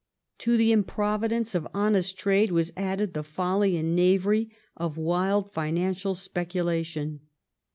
To the improvidence of honest trade was added the folly and knavery of wild financial speculation.